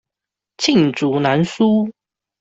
罄竹難書